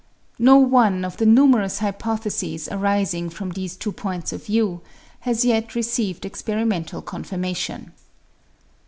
No one of the numerous hypotheses arising from these two points of view has yet received experimental confirmation.